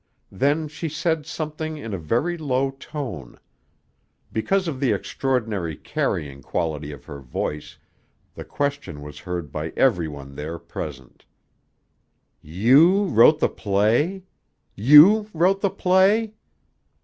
Then she said something in a very low tone. Because of the extraordinary carrying quality of her voice the question was heard by every one there present: "You wrote the play? You wrote the play?"